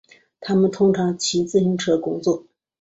他们通常骑自行车工作。